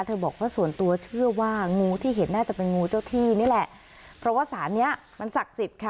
บอกว่าส่วนตัวเชื่อว่างูที่เห็นน่าจะเป็นงูเจ้าที่นี่แหละเพราะว่าสารเนี้ยมันศักดิ์สิทธิ์ค่ะ